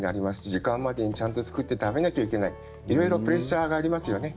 時間までにきちんと作って食べなければいけないというプレッシャーがありますね。